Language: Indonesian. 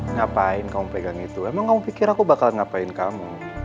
ngapain kamu pegang itu emang kamu pikir aku bakalan ngapain kamu